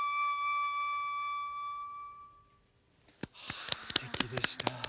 ああすてきでした。